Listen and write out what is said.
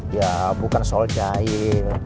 ya bukan soal jahil